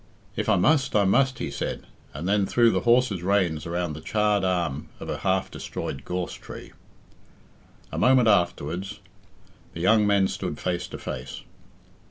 "If I must, I must," he said, and then threw the horse's reins round the charred arm of a half destroyed gorse tree. A minute afterwards the young men stood face to face.